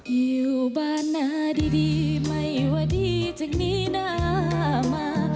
อยู่บ้านนาดีไม่ว่าดีจากนี้หน้ามา